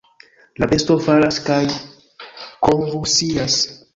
La besto falas kaj konvulsias.